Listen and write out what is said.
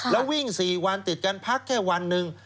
แล้ววิ่ง๔วันติดกันพักแค่วันหนึ่ง